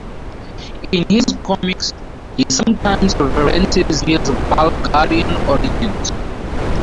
In his comics, he sometimes references his Bulgarian origins.